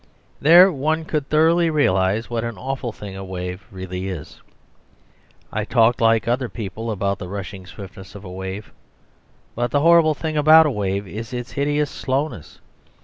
There one could thoroughly realise what an awful thing a wave really is. I talk like other people about the rushing swiftness of a wave. But the horrible thing about a wave is its hideous slowness.